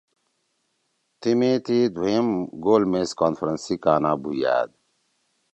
تیمی تی دُھوئم گول میز کانفرنس سی کانا بُھویأد